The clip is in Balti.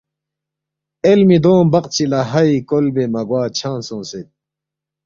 علمی دونگ بقچی لا ہائے کولبے مگوا چھنگ سونگسید